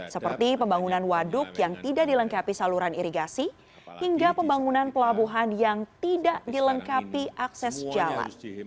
seperti pembangunan waduk yang tidak dilengkapi saluran irigasi hingga pembangunan pelabuhan yang tidak dilengkapi akses jalan